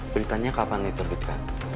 beritanya kapan diterbitkan